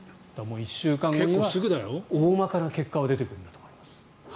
１週間後には大まかな結果が出てくるんだと思います。